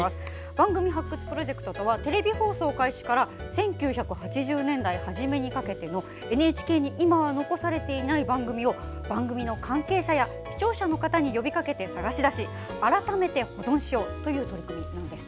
「番組発掘プロジェクト」とはテレビ放送開始から１９８０年代初めにかけてのＮＨＫに今は残されていない番組を番組の関係者や視聴者の方に呼びかけて探し出し改めて保存しようという取り組みなんです。